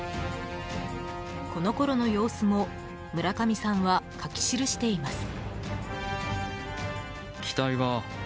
このころの様子も村上さんは書き記しています。